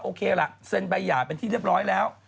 โอเคล่ะเซ็นใบหย่าเป็นที่เรียบร้อยแล้ว